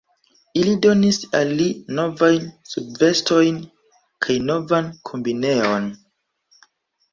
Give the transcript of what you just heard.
Ili donis al li novajn subvestojn kaj novan kombineon.